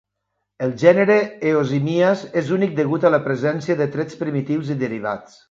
El gènere "Eosimias" és únic degut a la presència de trets primitius i derivats.